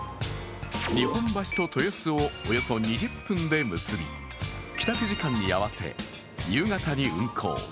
日本橋と豊洲をおよそ２０分で結び、帰宅時間に合わせ、夕方に運航。